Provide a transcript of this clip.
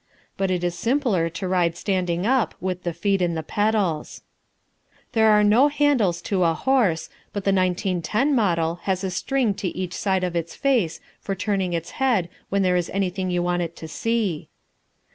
But it is simpler to ride standing up, with the feet in the pedals. There are no handles to a horse, but the 1910 model has a string to each side of its face for turning its head when there is anything you want it to see.